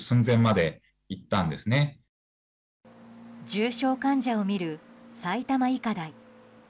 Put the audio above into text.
重症患者を診る埼玉医科大。